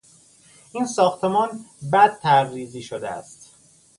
این ساختمان بدطرحریزی شده است.